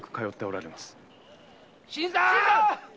・新さん！